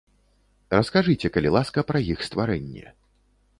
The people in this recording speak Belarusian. Раскажыце, калі ласка, пра іх стварэнне.